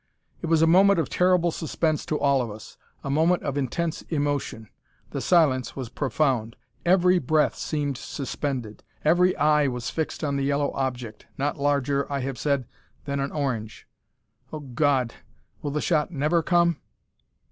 It was a moment of terrible suspense to all of us a moment of intense emotion. The silence was profound. Every breath seemed suspended; every eye was fixed on the yellow object, not larger, I have said, than an orange. Oh, God! will the shot never come?